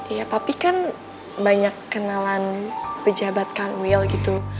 ya papi kan banyak kenalan pejabat kanwil gitu